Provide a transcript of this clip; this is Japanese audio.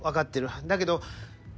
だけど。